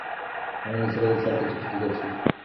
আমি নিসার আলি স্যারকে চিঠি লিখেছি।